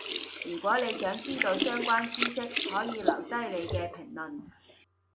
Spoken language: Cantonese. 如果你想知到相關智識，可以留低你嘅評論